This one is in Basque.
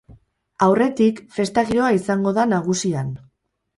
Aurretik, festa-giroa izango da nagusi han.